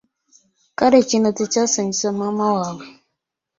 Kale kino tekyasanyusa maama waabwe.